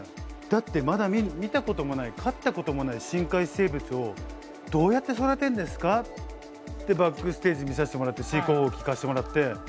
だってまだ見たこともない飼ったこともない深海生物をどうやって育てるんですかってバックステージ見させてもらって飼育方法を聞かせてもらって。